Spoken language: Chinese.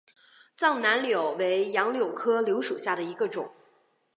藏南柳为杨柳科柳属下的一个种。